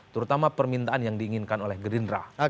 terutama permintaan yang diinginkan oleh gerindra